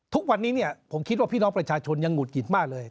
ทุกวันนี้เนี่ยผมคิดว่าพี่น้องประชาชนยังหุดหงิดมากเลย